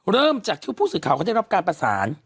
เริ่มจากที่ผู้สื่อข่าวเขาได้รับการประสาน